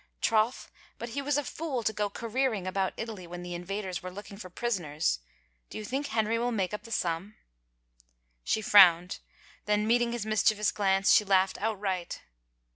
Troth, but he was a fool to go careering about Italy when the invaders were looking for prisoners! ... Do you think Henry will make up the sum ?" She frowned, then meeting his mischievous glance, she laughed outright.